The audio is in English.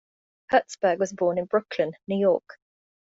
Hertzberg was born in Brooklyn, New York.